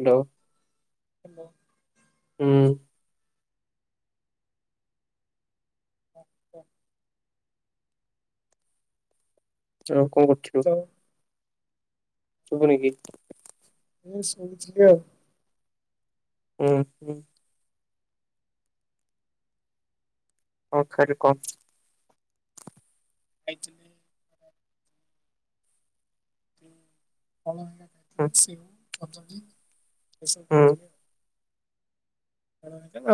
Hello. ହ ଉଁ। [unintelligible] ଆଉ କଣ କରୁଥିଲୁ? ହ୍ୟାଲୋ ଶୁଭୁନି କି? [unintelligible] କ୍ଳିଅର। ହୁଁ ହୁଁ। ହଁ ଖାର କମ୍ [unintelligible] ଏ ଫଳ ହେରିକା ଖାଇଥିଲି। ସେଉ କଦଳୀ ଏସବୁ ହୁଁ ଖାଇଥିଲି ଆଉ।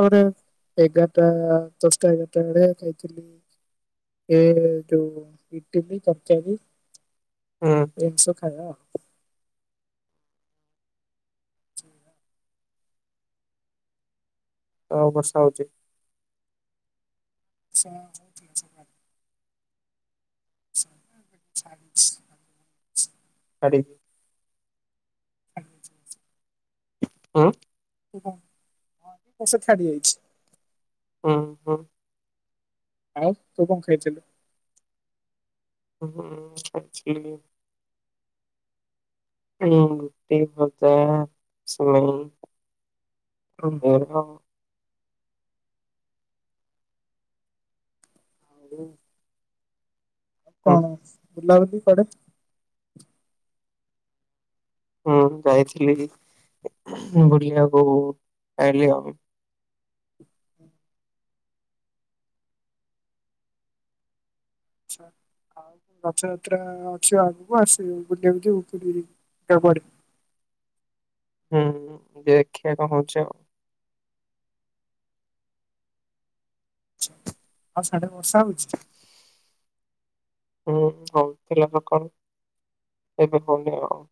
ଆର ଏଗାରଟା ଦଶଟା ଏଗାରଟା ବେଳେ ଖାଇଥିଲି। ଏ ଯଉ ଇଟିଲି ତରକାରୀ। ହୁଁ। ଏନ୍ ଶ ଖା ହଉ ବର୍ଷା ହଉଛି। ସେ [inaudible] ହ [inaudible] [unintelligible] ଆ [inaudible] ହଁ କଷ ଛାଡ଼ି ଯାଇଛି। ହଁ ହଁ ଆଉ ତୁ କଣ ଖାଇଥିଲୁ? ହ [inaudible] ଉଁ ରୁଟି ଭଜା ସିମେଇ ଓହୋ। [inaudible] ହୁଁ ହୁଁ କଣ ବୁଲାବୁଲି ପଡେ। ହଁ ଯାଇଥିଲି ବୁଲିବାକୁ ଆାଇଲି ଆଉ ଆଛା ହ। ରଥଯାତ୍ରା ଅଛି ଆଗକୁ ଆସିବ ବୁଲି [inaudible] ହୁଁ ଦେଖିବା କଣ ହଉଚି ଆଉ। ଆଉ ସାଢେ ବର୍ଷା ହଉଛି? ହୁଁ ହଉ ଥିଲା ନା କଣ ଏବେ ହଉନି ଆଉ।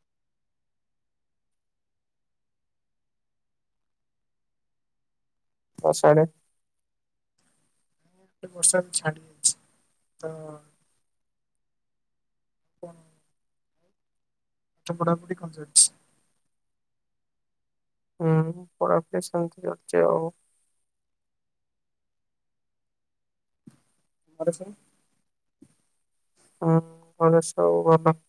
ଆଉ ସିଆଡେ। ବର୍ଷା ଛାଡି ଯାଇଛି ତ? କଣ? ମୋଟାମୋଟି [inaudible] ହୁଁ ପଢାପଢ଼ି ଶାନ୍ତି ଚାଲିଛି ଆଉ [inaudible] [unintelligible]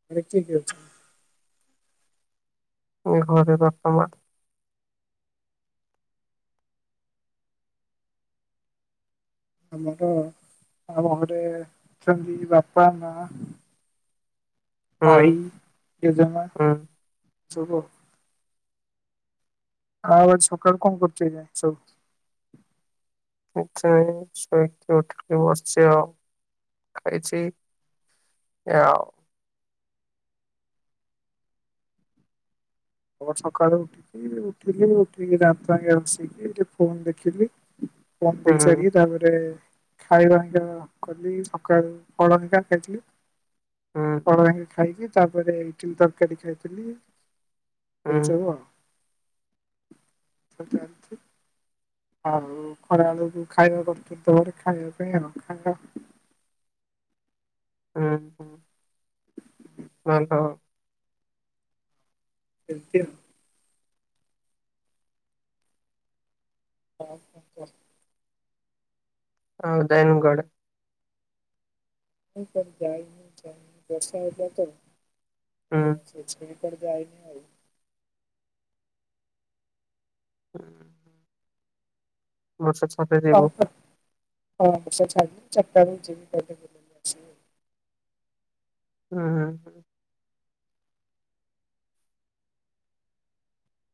[inaudible] ଘରେ ବାପା ମାଆ। ଆମର ଆମ ଘରେ ଅଛନ୍ତି ବାପା ମା। ହୁଁ ଆଇ ଜେଜେ ମା ହୁଁ ଆଉ ଆ ସକାଳୁ କଣ କରୁଚା ଏଇନା ସବୁ। ଶୋଇକି ଉଠି ବସି ଆଉ ଖାଇଛି। ଆଉ ଆ ସକାଳୁ ମୁଁ ଉଠିଲି ମୁ ଉଥିକି ଦାନ୍ତ ଘସିଲି ଫୋନ ଦେଖିଲି। ପମ୍ପ ହୁଁ ଦେଇ ସାରିକି ତାପରେ ଖାଇବା କଲି ସକାଳୁ ହଳିକା ଖାଇଥିଲି। ହ [inaudible] ଖାଇକି ତାପରେ ଇଟିଲି ତରକାରୀ ଖାଇଥିଲି। ହୁଁ [unintelligible] ଆଉ ଖରା ବେଳକୁ ଖାଇବା କର ଦେ ଖାଇବା ପାଇଁ ଆଉ ଖାଇବା। [inaudible] [inaudible] [inaudible] [inaudible] ହଁ ଦୟନଗଡ଼। ଯାଇନି ବର୍ଷା ହେଲା ତ। ହୁଁ କିଛି ବି ପା ଯାଇନି ଆଉ। ହୁଁ ବର୍ଷା [inaudible] ହଉ ଯିବ ତ ହଁ ବର୍ଷା ଛାଡ଼ିଲେ ମୁଁ ଚାରିଟା ବେଳକୁ ଜିମି କରିଦବି। ହୁଁ ହୁଁ।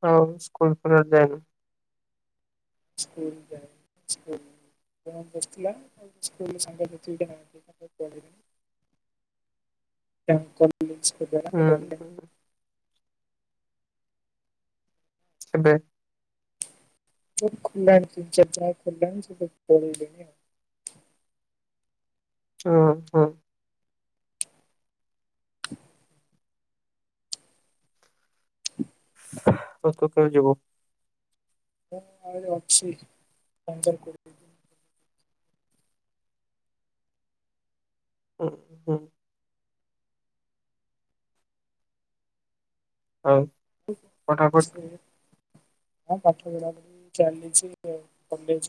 ଆଉ ସ୍କୁଲ ଫୁଲ ଆଡେ ଯାଇନୁ। ସ୍କୁଲ ଯାଇନି ସ୍କୁଲ ଜଣେ ବସିଥିଲା [inaudible] ହୁଁ [unintelligible] ହୁଁ ଏବେ। ଯେହେତୁ ଖୋଲି ଲାଣି ତିନି ଚାରି ଦିନ ହବ ଖୋଲି ଲାଣି ସିଏ ସବୁ ପଳେଇ ଲେଣି ଆଉ। ଓ ହୋ। ତ କେତେବେଳେ ଯିବୁ। ମୁଁ ଆହୁରି ଅଛି ପନ୍ଦର କୋଡ଼ିଏ ଦିନ। ଉଁ ହୁଁ। ଆଉ। [unintelligible] ପଠାପଠି ହଁ ପାଠ ପଢି ଚାଲିଛି ଆଉ କଲେଜ।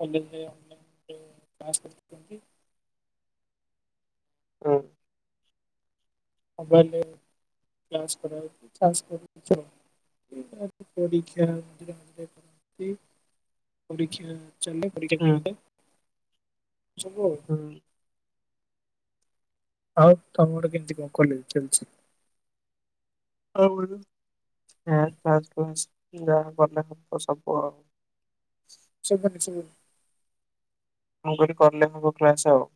କଲେଜ ରେ ଅନ ଲାଇନ‌ ଯୋଉ କ୍ଲାସ କରୁଛନ୍ତି। ହୁଁ। ମୋବାଇଲ ରେ କ୍ଲାସ୍ କରା ହଉଛି କ୍ଲାସ କରି [unintelligible] ଏଇଟା ଏମତି ପରୀକ୍ଷା ଏମତି ରହିଲେ ଯାଆନ୍ତି ପରୀକ୍ଷା ଚାଲେ। ପରୀକ୍ଷା ହୁଁ ଦିଏ ବି ତ ଶବୁ ଆଉ। ହୁଁ। ଆଉ ତମ ଆଡେ କେମିତି କଁ କଲେଜ ଚାଲିଛି। ଆମର [unintelligible] ଶୁବୁନି ଶୁବୁନି। ମୁଁ କହିଲି କରିଲେ ହବ କ୍ଲାସ ଆଉ।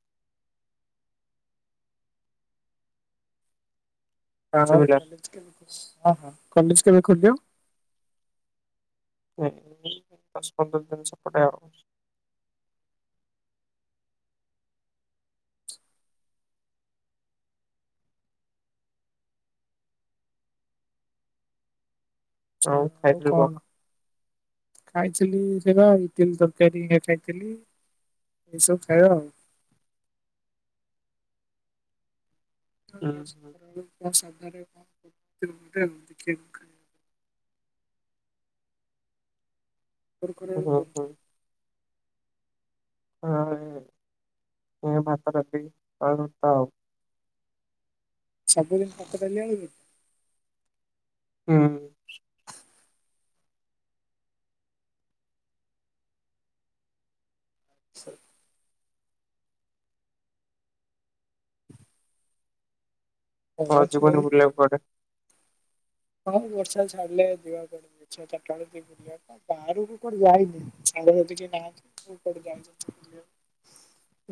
[unintelligible] ହଁ ଶୁଭିଲା ହଁ କଲେଜ କେବେ ଖୋଲିବ। ହୁଁ ଏଇ ଦଶ ପନ୍ଦର ଦିନ ସେପଟେ ଆଉ। ଆଉ କଣ। ଖାଇଥିଲି ସେ ବା ଇଟିଲ ତରକାରୀ ଏକା ଖାଇଥିଲି ଏଇସବୁ ଖାଇବା ଆଉ। ହୁଁ। [unintelligible] ତମର ଖରାବେଳ କୁ ହୁଁ କଁ। ହଁ ଏଇ ଭାତ ଡାଲି ଆଳୁ ଭରତା ଆଉ। ସବୁଦିନ ଭାତ ଡାଲି ଆଳୁ ଭରତା। ହୁଁ। ହ ଆଛା। ହଁ ଆଉ ସେଇ ଯିବନି ବୁଲିବାକୁ କୁଆଡେ। ହଁ ଏଇ ବର୍ଷା ଛାଡ଼ିଲେ ଯିବାକୁ କୁଆଡେ ଦେଖିବା ଚାରଟା ବଳେକୁ କିଏ ବାହାରକୁ କୁଆଡେ ଯାଇନି ସାଙ୍ଗ ସାଥୀ କେହି ନାହନ୍ତି ସବୁ କୁଆଡେ ଯାଇଛନ୍ତି ବୁଲିବାକୁ।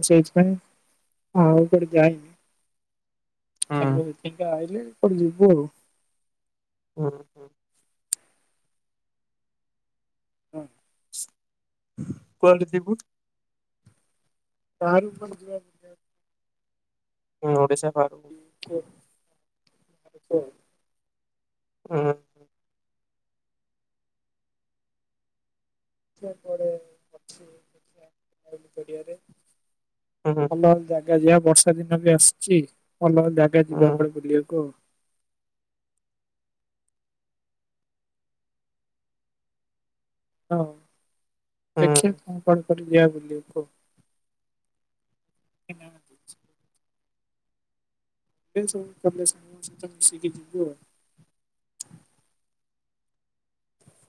ସେଇଥିପାଇଁ ମୁଁ ଆଉ କୁଆଡେ ଯାାଇନି। ହୁଁ ସାଙ୍ଗ‌ସାଥି ଏକା ଆଇଲେ କୁଆଡେ ଯିବୁ ଆଉ। ହୁଁ ହୁଁ। ହୁଁ। କୁହନ୍ତୁ ଦିବୁ। ବାହାରକୁ କୁଆଡେ ଜିବା। ହୁଁ ଓଡିଶା ବାହାରକୁ। [unintelligible] ଉଁ ହୁଁ। ସେପଟେ ଅଛି [unintelligible] ପଡ଼ିଆରେ। ହୁଁ ହୁଁ। ଭଲ ଜାଗା ଯିବା ବର୍ଷା ଦିନ ବି ଆସୁଛି ଭଲ ଜାଗା ଯିବା କୁଆଡେ ବୁଲିବାକୁ ଆଉ। ହଁ ହୁଁ ଦେଖିବା କଣ କୁଆଡ଼େ କରି ଯିବା ବୁଲି ବାକୁ। ନାହାନ୍ତି ଯିବେ ଏସବୁ କଲେଜ ସାଙ୍ଗ ସହିତ ମିସିକି ଯିବୁ ଆଉ।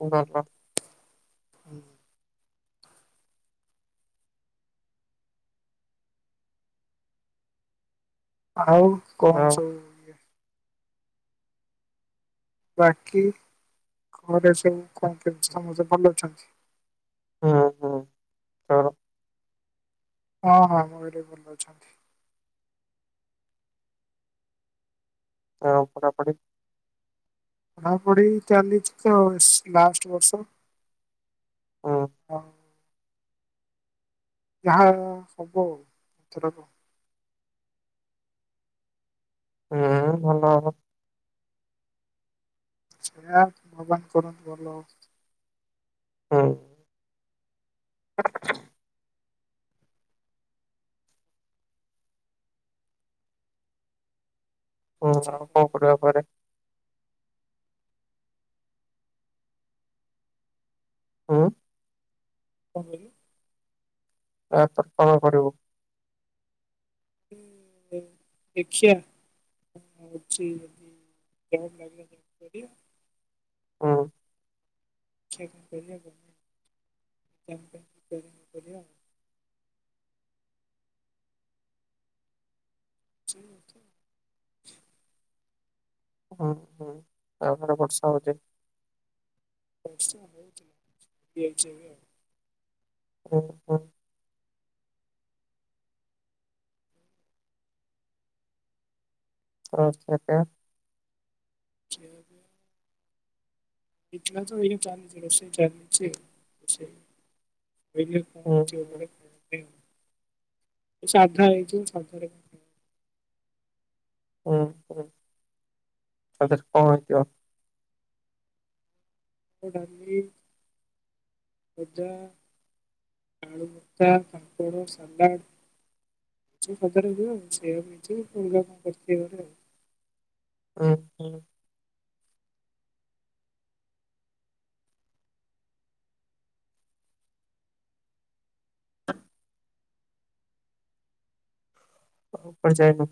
ଓ ହଁ ହଁ। ହୁଁ। ଆଉ ଆଉ କଣ ସବୁ। ଇଏ ବାକି ଘରେ ସବୁ କଣ କେମିତି ସବୁ ସମସ୍ତେ ଭଲ ଅଛନ୍ତି। ହୁଁ ହୁଁ ତୋର। ହଁ ହଁ ମୋ ଘରେ ବି ଭଲ ଅଛନ୍ତି। ଆଉ ପଢ଼ା ପଢ଼ି‌। ପଢ଼ା ପଢ଼ି ଚାଲିଛି ତ ଲାଷ୍ଟ ବର୍ଷ। ହଁ। ଆଉ ଯାହା ସବୁ ଆଉ ଏଥରକ। ହୁଁ ଭଲ ହବ। ସେୟା ଭଗବାନ୍ କରନ୍ତୁ ଭଲ ହଉ। ହଁ। [unintelligible] ଓ ହଁ ଆଉ କଣ କରିବା କୁଆଡେ। ହୁଁ। କଣ କହିଲୁ। ଆଁ ପରେ କଣ କରିବୁ। ଦେ ଦେଖଆ। ହ ଅଛି ଯଦି ପ୍ରାଇଭେଟ୍ ଲାଇନ ରେ ଜବ କରିବା। ହଁ। ତା ପରେ କରିବା କଣ ଗଭମେଣ୍ଟ ଜବ୍ କରିବା ଆଉ। ସେ ଅଛି। ହୁଁ ହୁଁ ଆଉ ସାଢ଼େ ବର୍ଷା ହଉଛି। ବର୍ଷା ହଉଛି ହେଉଛି ଏବେ ଆଉ। ଓ ହୋ। ଆଉ ଖିଆପିଆ। ଖିଆ ପିଆ। ଏଇଖିଣା ତ ଚାଲିଛି ରୋଷେଇ ଚାଲିଛି ରୋଷେଇ ଆଉ। ଏଇଖିନି କଣ ହୁଁ ହେଇଥିବ ହୁଁ ଘରେ ଖାଇବାପାଇଁ ଆଉ ସାଧା ହେଇଥିବ ସାଧାରେକଣ ଖାଇବା। ହଉ ହଉ ସାଧାରେ କଣ ହେଇଥିବ। ଡାଲି ଭଜା। ଆଲୁଭର୍ତା, ପାମ୍ପଡ଼, ସାଲାଡ଼। ଛୁଇଁ ଭଜାଟେ ହେଇଥିବ ସେୟାକୁ ହେଇଥିବ ଅଲଗା କଣ କରିଥିବ ଆଉ ଥରେ। ଓହୋ। ଆଉ କୁଆଡ଼େ ଯାଇନୁ।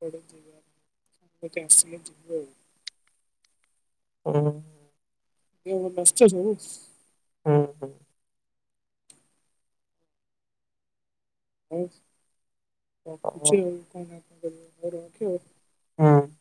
କୁଆଡେ ଯିବା ଆଉ ସାଙ୍ଗ କିଏ ଆସିଲେ ଯିବୁ ଆଉ। ଓହୋ। [unintelligible] ହୁଁ ହୁଁ। ହଉ ହଁ ରଖୁଛି ଆଉ କଣ ନା କଣ କରିବ ହଉ ରଖେ ଆଉ। ହଉ।